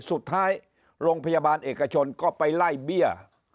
สุดท้ายโรงพยาบาลเอกชนก็ไปไล่เบี้ย